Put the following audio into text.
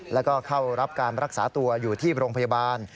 แล้วก็เข้ารับการรักษาตัวอยู่ที่โรงพยาบาล